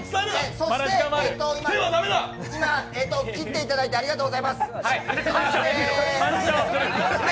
そして、今切っていただいてありがとうございます。